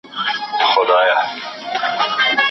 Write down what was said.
لارښود باید په هغه موضوع ښه برلاسی وي.